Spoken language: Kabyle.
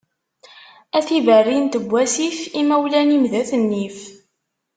A tiberrint n wasif, imawlan-im d at nnif.